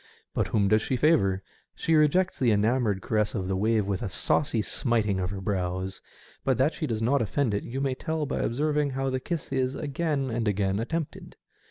But whom does she favour? She rejects the enamoured caress of the wave with a saucy smiting of her bows, but that she does not offend it you may tell by observing how the kiss is again and again attempted.